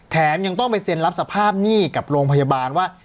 แถมยังต้องไปเซ็นรับสภาพหนี้กับโรงพยาบาลว่า